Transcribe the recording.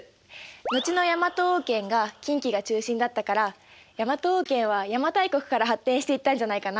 後の大和王権が近畿が中心だったから大和王権は邪馬台国から発展していったんじゃないかな？